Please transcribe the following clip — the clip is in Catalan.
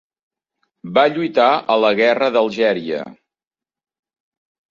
Va lluitar a la Guerra d'Algèria.